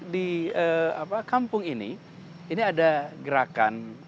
di kampung ini ini ada gerakan